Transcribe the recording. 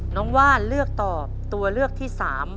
ว่านเลือกตอบตัวเลือกที่๓